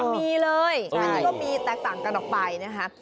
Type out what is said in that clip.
มีเลยอันนี้ก็มีแตกต่างกันออกไปนะคะ